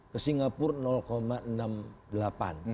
ke singapura enam puluh delapan